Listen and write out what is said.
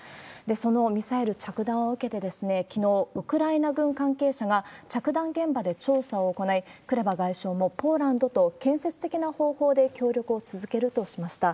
そのミサイル着弾を受けて、きのう、ウクライナ軍関係者が、着弾現場で調査を行い、クレバ外相も、ポーランドと建設的な方法で協力を続けるとしました。